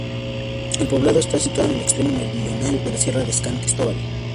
El poblado está situado en el extremo meridional de la sierra de San Cristóbal.